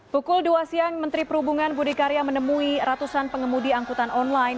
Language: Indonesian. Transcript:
pukul dua siang menteri perhubungan budi karya menemui ratusan pengemudi angkutan online